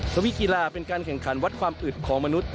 สวีกีฬาเป็นการแข่งขันวัดความอึดของมนุษย